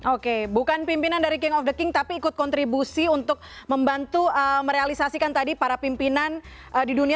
oke bukan pimpinan dari king of the king tapi ikut kontribusi untuk membantu merealisasikan tadi para pimpinan di dunia